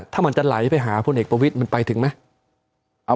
ถ้ามันจะไหลไปหาพลเอกประวิทย์มันไปถึงไหม